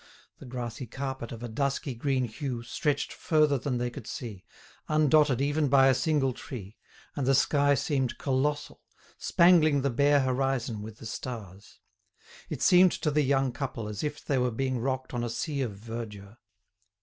The grassy carpet of a dusky green hue stretched further than they could see, undotted even by a single tree, and the sky seemed colossal, spangling the bare horizon with the stars. It seemed to the young couple as if they were being rocked on a sea of verdure.